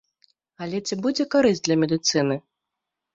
Але ці будзе карысць для медыцыны?